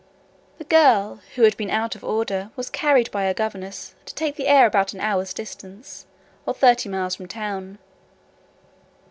The girl, who had been out of order, was carried by her governess to take the air about an hour's distance, or thirty miles from town.